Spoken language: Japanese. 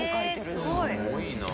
すごいな。